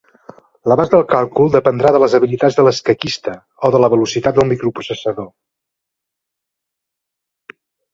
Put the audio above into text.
L'abast del càlcul dependrà de les habilitats de l'escaquista o de la velocitat del microprocessador.